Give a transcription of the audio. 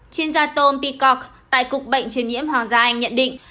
chuyên gia tom peacock tại cục bệnh truyền nhiễm hoàng gia anh nhận định